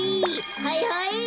はいはい。